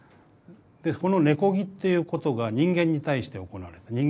でこの「根こぎ」っていうことが人間に対して行われた。